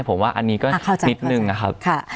ผมว่าอันนี้ก็นิดนึงนะครับ